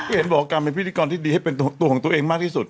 ก็เห็นบอกว่าการเป็นพิธีกรที่ดีให้เป็นตัวของตัวเองมากที่สุด